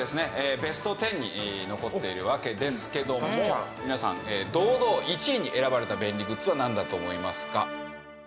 ベスト１０に残っているわけですけども皆さん堂々１位に選ばれた便利グッズはなんだと思いますか？